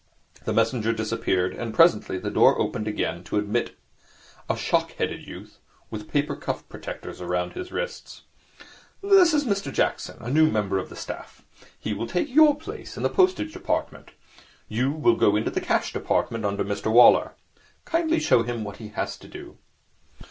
The messenger disappeared, and presently the door opened again to admit a shock headed youth with paper cuff protectors round his wrists. 'This is Mr Jackson, a new member of the staff. He will take your place in the postage department. You will go into the cash department, under Mr Waller. Kindly show him what he has to do.'